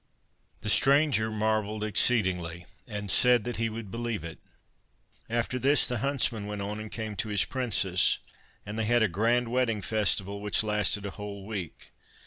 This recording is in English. The stranger marvelled exceedingly, and said that he would believe it. After this the huntsman went on and came to his princess, and they had a grand wedding festival, which lasted a whole week.